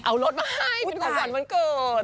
เอารถมาให้เป็นคนสวรรค์วันเกิด